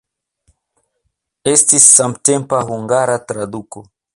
Estis samtempa hungara traduko.